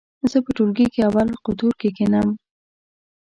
زه په ټولګي کې اول قطور کې کېنم.